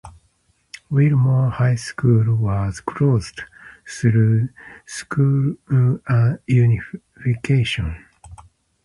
Wilmore High School was closed through school unification.